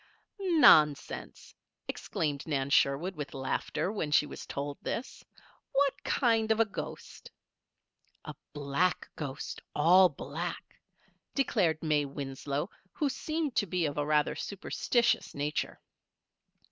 "Nonsense!" exclaimed Nan Sherwood, with laughter, when she was told this. "What kind of a ghost?" "A black ghost all black," declared May Winslow, who seemed to be of a rather superstitious nature.